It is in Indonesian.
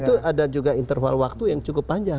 itu adalah hal waktu yang cukup panjang